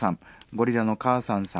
ゴリラの母さんさん